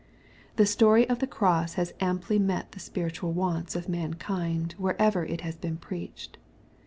The story of the cross has amply met the spiritual wants of mankind wherever it has been preached.